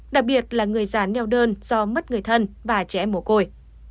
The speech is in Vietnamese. đặc biệt là người già neo đơn do mất người thân và trẻ em mổ côi